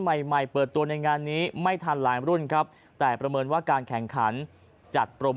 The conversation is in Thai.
ใหม่ใหม่เปิดตัวในงานนี้ไม่ทันหลายรุ่นครับแต่ประเมินว่าการแข่งขันจัดโปรโม